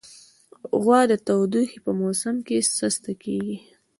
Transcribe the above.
غوا د تودوخې په موسم کې سسته کېږي.